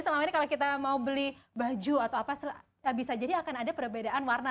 selama ini kalau kita mau beli baju atau apa bisa jadi akan ada perbedaan warna